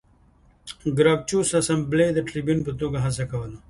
ګراکچوس د اسامبلې د ټربیون په توګه هڅه کوله